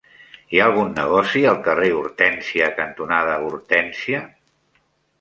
Hi ha algun negoci al carrer Hortènsia cantonada Hortènsia?